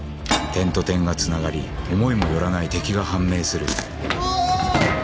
点と点がつながり思いも寄らない敵が判明するうわ！